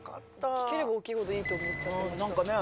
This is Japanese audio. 大きければ大きいほどいいと思っちゃってました。